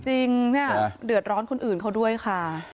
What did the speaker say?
จริงเนี่ยเดือดร้อนคนอื่นเขาด้วยค่ะ